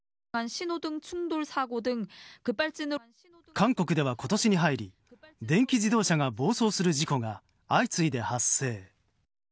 韓国では今年に入り電気自動車が暴走する事故が相次いで発生。